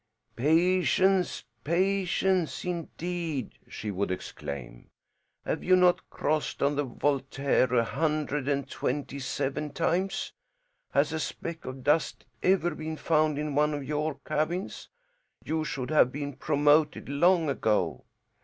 "Patience? Patience, indeed!" she would exclaim. "Have you not crossed on the Voltaire a hundred and twenty seven times? Has a speck of dust ever been found in one of your cabins? You should have been promoted long ago.